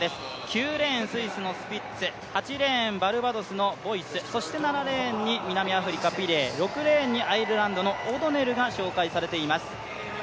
９レーン、スイスのスピッツ、８レーンバルバドスのボイス、６レーンにアイルランドのオドネルが紹介されています。